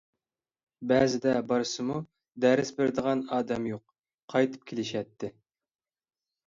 بەزىدە بارسىمۇ دەرس بېرىدىغان ئادەم يوق، قايتىپ كېلىشەتتى.